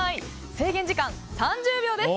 制限時間３０秒です。